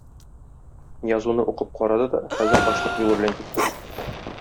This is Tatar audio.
Язуны укып карады да, хәзер ачлык юлы белән китте.